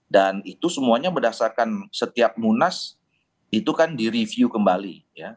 dan itu semuanya berdasarkan setiap munas itu kan direview kembali